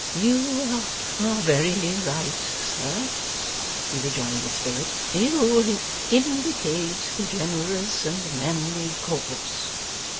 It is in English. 'You are very right, sir,' he rejoined with spirit. 'You indicate the generous and manly course.